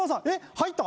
入った？